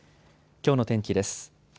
きょうの天気です。